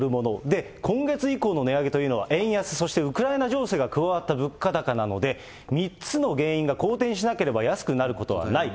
で、今月以降の値上げというのは円安、そしてウクライナ情勢が加わった物価高なので、３つの原因が好転しなければ安くなることはない。